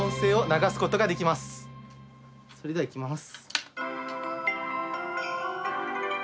それではいきます。